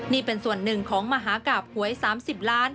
นี่เป็นส่วนหนึ่งของมหากราบหวย๓๐ล้าน